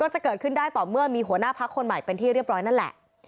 จะเกิดขึ้นได้ต่อเมื่อมีหัวหน้าพักคนใหม่เป็นที่เรียบร้อยนั่นแหละ